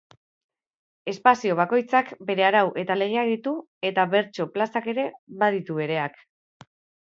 Espazio bakoitzak bere arau eta legeak ditu eta bertso-plazak ere baditu bereak.